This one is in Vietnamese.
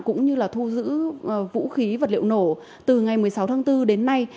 cũng như là thu giữ vũ khí vật liệu nổ từ ngày một mươi sáu tháng bốn đến nay